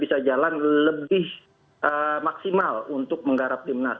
bagaimana misalnya ke depan sintayong bisa berkoordinasi dan berkomunikasi dengan klub klub untuk menyambangkan visi